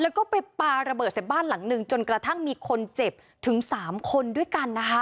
แล้วก็ไปปลาระเบิดใส่บ้านหลังหนึ่งจนกระทั่งมีคนเจ็บถึง๓คนด้วยกันนะคะ